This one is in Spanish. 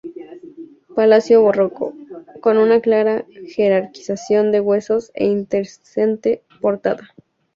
Palacio barroco, con una clara jerarquización de huecos e interesante portada.